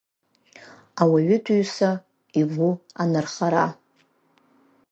Ауаҩытәыҩса игәы анырхара.